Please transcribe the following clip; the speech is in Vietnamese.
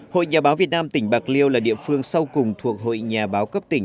hội nhà báo việt nam tỉnh bạc liêu là địa phương sau cùng thuộc hội nhà báo cấp tỉnh